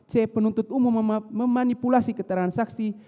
c penuntut umum memanipulasi keterangan saksi